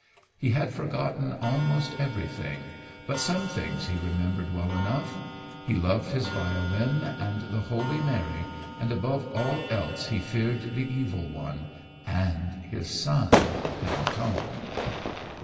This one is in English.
He had forgotten almost everything, but some things he remembered well enough. He loved his violin and the holy Mary, and above all else he feared the Evil One, and his son Antone.